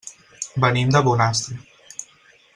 Venim de Bonastre.